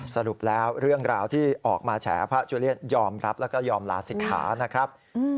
สรุปแล้วเรื่องราวที่ออกมาแฉพระจุเลียนยอมรับแล้วก็ยอมลาศิกขานะครับ